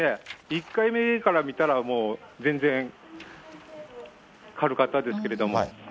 １回目から見たら、全然軽かったですけれども。